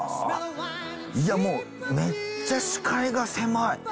いやもうめっちゃ視界が狭い。